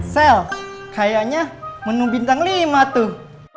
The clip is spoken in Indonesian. sel kayaknya menu bintang lima tuh